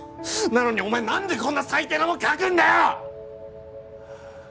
なのにお前何でこんな最低なもん書くんだよ！